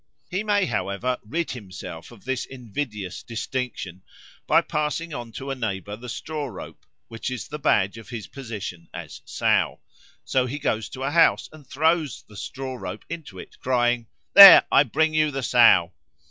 He may, however, rid himself of this invidious distinction by passing on to a neighbour the straw rope, which is the badge of his position as Sow. So he goes to a house and throws the straw rope into it, crying, "There, I bring you the Sow."